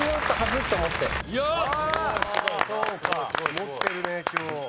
持ってるね今日。